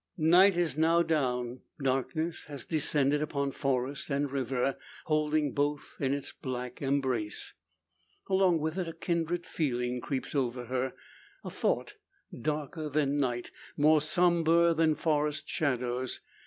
Night is now down; darkness has descended upon forest and river, holding both in its black embrace. Along with it a kindred feeling creeps over her a thought darker than night, more sombre than forest shadows.